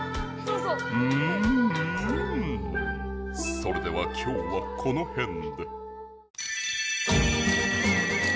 それでは今日はこのへんで。